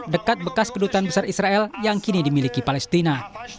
dekat bekas kedutaan besar israel yang kini dimiliki palestina